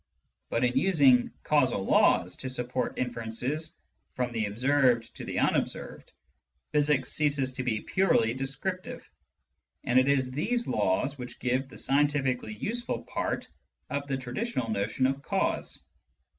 But in using causal laws to support inferences from the observed to the unobserved, physics ceases to be purely descriptive, and it is these laws which give the scientifically useful part of the traditional notion of "cause."